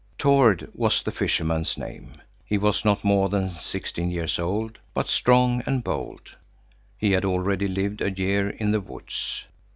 Tord was the fisherman's name. He was not more than sixteen years old, but strong and bold. He had already lived a year in the woods.